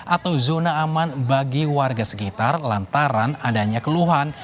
atau zona aman bagi warga sekitar lantaran adanya keluhan